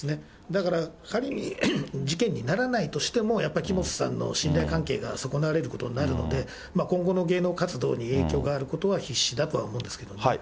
だから仮に事件にならないとしても、やっぱり木本さんの信頼関係が損なわれることになるので、今後の芸能活動に影響があることは必至だと思うんですけれどもね。